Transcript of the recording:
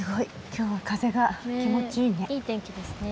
今日は風が気持ちいいね。